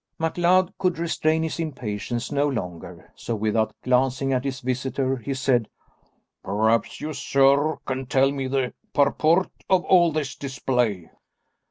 MacLeod could restrain his impatience no longer, so without glancing at his visitor, he said, "Perhaps you, sir, can tell me the purport of all this display."